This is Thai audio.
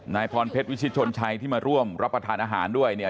นายพรเพชรวิชิตชนชัยที่มาร่วมรับประทานอาหารด้วยเนี่ย